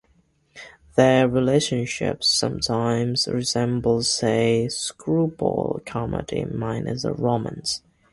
Their relationship sometimes resembles a screwball comedy minus the romance.